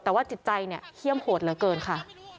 แต่ว่าจิตใจเนี่ยเขี้ยมโหดเหลือเกินค่ะ